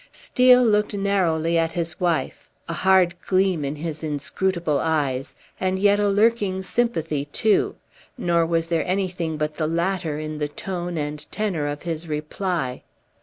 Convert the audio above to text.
Steel looked narrowly at his wife, a hard gleam in his inscrutable eyes, and yet a lurking sympathy too, nor was there anything but the latter in the tone and tenor of his reply.